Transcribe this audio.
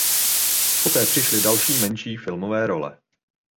Poté přišly další menší filmové role.